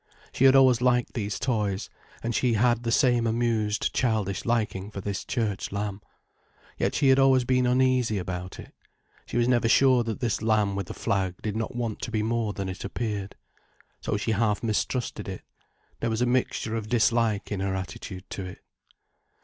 She had always liked these toys, and she had the same amused, childish liking for this church lamb. Yet she had always been uneasy about it. She was never sure that this lamb with a flag did not want to be more than it appeared. So she half mistrusted it, there was a mixture of dislike in her attitude to it.